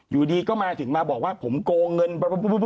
อยู่ดีก็มาถึงมาบอกว่าผมโกงเงิน